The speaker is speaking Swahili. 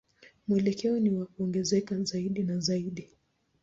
Mwelekeo ni wa kuongezeka zaidi na zaidi.